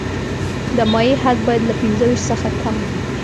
د مایع حد باید له پنځه ویشت څخه کم وي